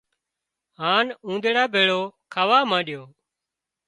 هانَ اونۮيڙا ڀيڙو کاوا مانڏيو